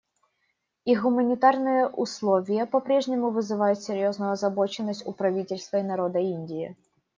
Их гуманитарные условия по-прежнему вызывают серьезную озабоченность у правительства и народа Индии.